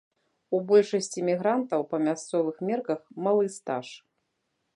У большасці мігрантаў па мясцовых мерках малы стаж.